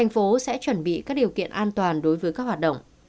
tp hcm sẽ chuẩn bị các điều kiện an toàn đối với các hoạt động